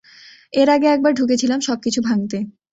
এর আগে একবার ঢুকেছিলাম সবকিছু ভাঙতে।